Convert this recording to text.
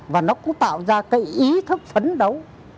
và nó cũng tạo ra cái ý thức phấn đấu